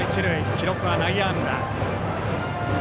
記録は内野安打。